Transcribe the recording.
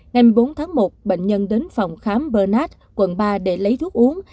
ngày một mươi bốn tháng một bệnh nhân đến phòng khám bernard quận ba để lấy thuốc uống